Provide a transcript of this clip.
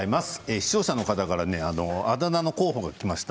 視聴者の方からあだ名の候補がきました。